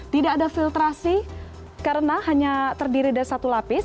tidak ada filtrasi karena hanya terdiri dari satu lapis